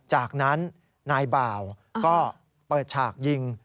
จากนั้นนายบ่าวก็เปิดฉากยิง